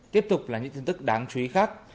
tiếp tục là những tin tức đáng chú ý khác